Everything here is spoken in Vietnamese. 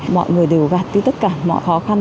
mọi người đều gạt đi tất cả mọi khó khăn